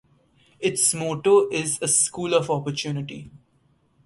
Its motto is A School of Opportunity.